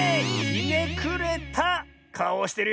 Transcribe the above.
ひねくれたかおをしてるよ。